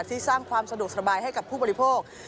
สร้างความสะดวกสบายให้กับผู้บริโภค